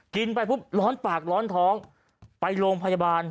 กินไปปุ๊บร้อนปากร้อนท้องไปโรงพยาบาล